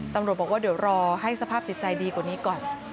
ตำรวจบอกว่าเดี๋ยวรอให้สภาพจิตใจดีกว่านี้ก่อน